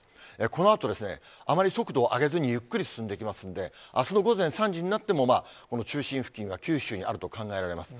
このあと、あまり速度を上げずにゆっくり進んでいきますんで、あすの午前３時になっても、この中心付近は九州にあると考えられます。